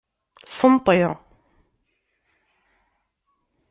Senṭi.